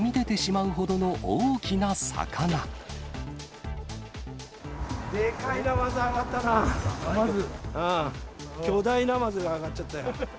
うん、巨大ナマズが揚がっちゃったよ。